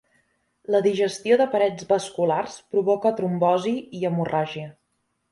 La digestió de parets vasculars provoca trombosi i hemorràgia.